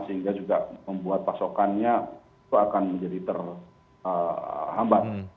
sehingga juga membuat pasokannya itu akan menjadi terhambat